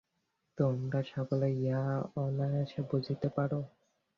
তোমরা সকলেই ইহা অনায়াসে বুঝিতে পার।